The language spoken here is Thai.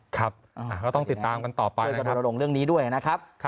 ก็ต้องติดตามกันต่อไปนะครับ